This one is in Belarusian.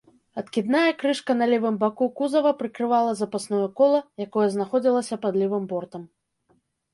Адкідная крышка на левым баку кузава прыкрывала запасное кола, якое знаходзілася пад левым бортам.